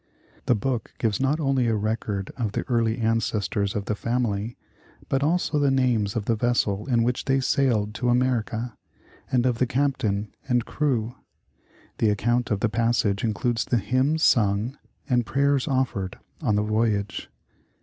The book gives not only a record of the early ancestors of the family, but also the name of the vessel in which they sailed to America, and of the Captain and crew. The account of the passage includes the hymns sung, and prayers offered on the voyage.